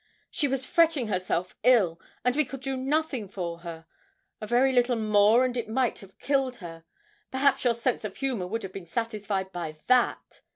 She was fretting herself ill, and we could do nothing for her: a very little more and it might have killed her. Perhaps your sense of humour would have been satisfied by that?